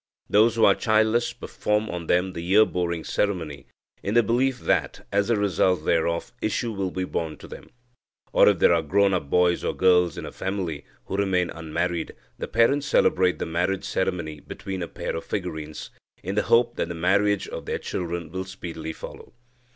Those who are childless perform on them the ear boring ceremony, in the belief that, as the result thereof, issue will be born to them. Or, if there are grown up boys or girls in a family, who remain unmarried, the parents celebrate the marriage ceremony between a pair of figurines, in the hope that the marriage of their children will speedily follow.